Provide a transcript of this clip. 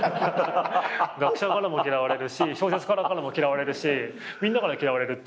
学者からも嫌われるし小説家からも嫌われるしみんなから嫌われるっていう。